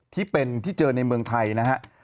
ที่เป็นที่เจอในเมืองไทยนะฮะ